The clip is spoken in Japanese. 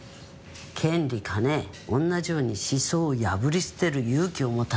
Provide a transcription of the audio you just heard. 権利金同じように思想を破り捨てる勇気を持たねば。